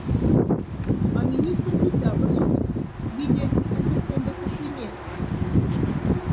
А министрти сяка сувсень, виде, аньцек омбоце шиня.,.